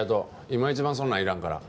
今一番そんなんいらんから。